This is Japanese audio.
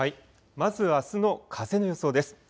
まずあすの風の予想です。